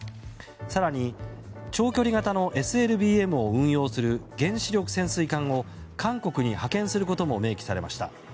更に、長距離型のＳＬＢＭを運用する原子力潜水艦を韓国に派遣することも明記されました。